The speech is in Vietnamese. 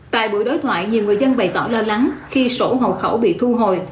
tại buổi đối thoại nhiều người dân bày tỏ lo lắng khi sổ hộ khẩu bị thu hồi